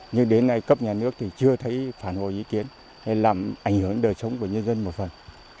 nhưng đến nay cấp nhà nước thì chưa thấy phản hồi ý kiến hay làm ảnh hưởng đời sống của nhân dân một phần